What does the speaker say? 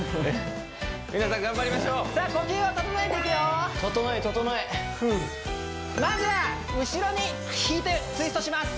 皆さん頑張りましょうさあ呼吸を整えていくよ整え整えふうまずは後ろに引いてツイストします